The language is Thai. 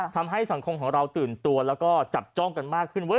ทำให้สังคมของเราตื่นตัวแล้วก็จับจ้องกันมากขึ้นว่า